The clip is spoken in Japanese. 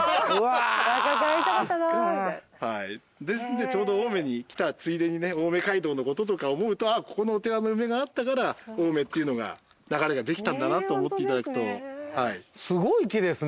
ですのでちょうど青梅に来たついでにね青梅街道のこととか思うとここのお寺の梅があったから青梅っていうのが流れができたんだなと思っていただくと。